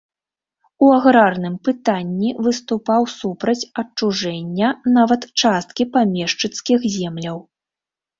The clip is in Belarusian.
У аграрным пытанні выступаў супраць адчужэння нават часткі памешчыцкіх земляў.